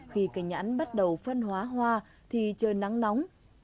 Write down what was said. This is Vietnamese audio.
khi cây nhãn bắt đầu phân hóa hoa thì trời nắng nóng